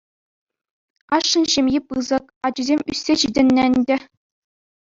Ашшӗн ҫемйи пысӑк, ачисем ӳссе ҫитӗннӗ ӗнтӗ.